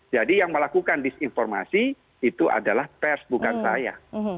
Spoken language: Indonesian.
yang melakukan disinformasi itu adalah pers bukan saya